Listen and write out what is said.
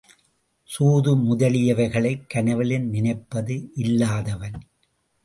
சூது முதலியவைகளைக் கனவிலும் நினைப்பது இல்லாதவன்.